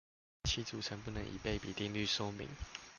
其組成不能以倍比定律說明？